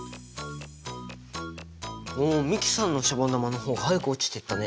お美樹さんのシャボン玉の方が早く落ちていったね！